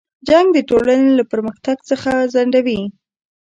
جنګ د ټولنې له پرمختګ څخه ځنډوي.